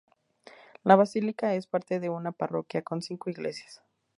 La basílica es parte de una parroquia con cinco iglesias.